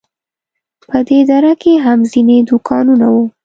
په دې دره کې هم ځینې دوکانونه وو.